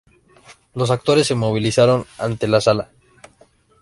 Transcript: Los actores se movilizaron ante la sala.